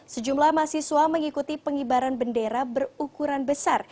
sejumlah mahasiswa mengikuti pengibaran bendera berukuran besar